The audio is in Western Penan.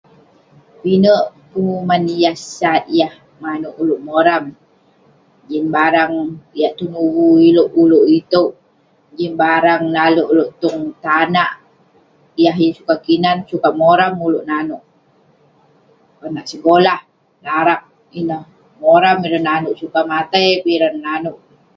Pinek penguman yah sat, yah manouk ulouk moram..jin barang yak tenuvu ulouk, ulouk itouk..jin barang nalek ulouk tong tanak.. yah yeng sukat kinan, sukat moram ulouk nanouk..konak segolah, larak ineh..moram ireh nanouk..sukat matai peh ireh nanouk.